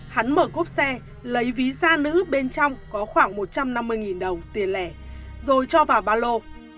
hắn mở cốp xe lấy ví da nữ bên trong có khoảng một trăm năm mươi đồng tiền lẻ rồi cho vào ba lô